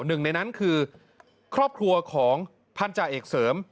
หนึ่งในนั้นคือครอบครัวของพันธาเอกเสริม